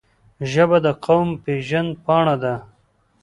ژبه د قوم پېژند پاڼه ده